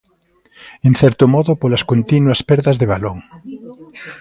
En certo modo polas continuas perdas de balón.